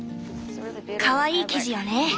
かわいい生地よね。